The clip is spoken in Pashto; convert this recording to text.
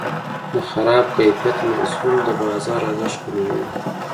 د خراب کیفیت محصول د بازار ارزښت کموي.